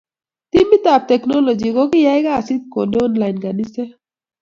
Timit ab teknoloji kokiyay kasit konde online kaniset